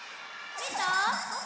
みた？